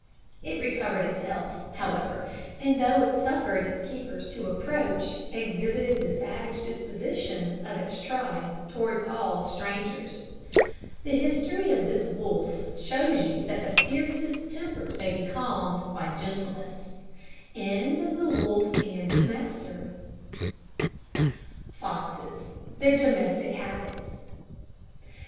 It recovered its health, however, and though it suffered its keepers to approach, exhibited the savage disposition of its tribe towards all strangers. The history of this wolf shows you that the fiercest tempers may be calmed by gentleness. FOXES: THEIR DOMESTIC HABITS.